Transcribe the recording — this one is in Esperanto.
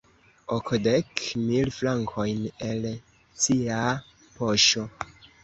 Okdek mil frankojn el cia poŝo!